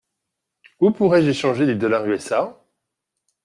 Où pourrais-je échanger des dollars USA ?